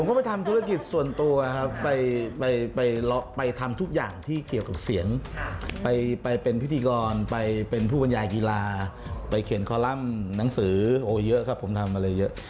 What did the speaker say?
ก็ไปทำธุรกิจส่วนตัวครับไปทำทุกอย่างที่เกี่ยวกับเสียงไปเป็นพิธีกรไปเป็นผู้บรรยายกีฬาไปเขียนคอลัมป์หนังสือโอ้เยอะครับผมทำอะไรเยอะ